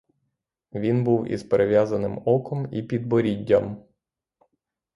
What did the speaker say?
Він був із перев'язаним оком і підборіддям.